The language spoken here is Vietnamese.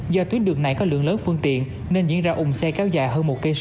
do tuyến đường này có lượng lớn phương tiện nên diễn ra ủng xe kéo dài hơn một km